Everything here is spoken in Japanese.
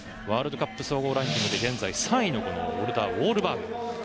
ワールドカップ総合ランキングで現在３位のウォルター・ウォールバーグ。